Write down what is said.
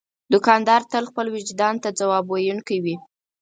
دوکاندار تل خپل وجدان ته ځواب ویونکی وي.